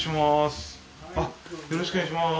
よろしくお願いします。